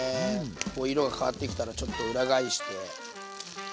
こう色が変わってきたらちょっと裏返して。